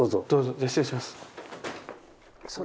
じゃあ失礼します。